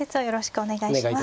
お願いいたします。